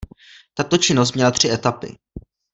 Tato činnost měla tři etapy.